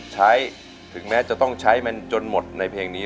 ถึงแม้จะต้องใช้มันจนหมดในเพลงนี้